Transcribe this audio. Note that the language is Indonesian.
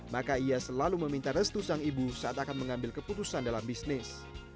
maka ia selalu meminta restu sang ibu saat akan mengambil keputusan dalam bisnis